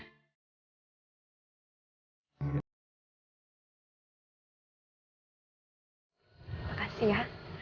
terima kasih ya